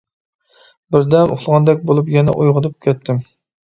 بىردەم ئۇخلىغاندەك بولۇپ يەنە ئويغىنىپ كەتتىم.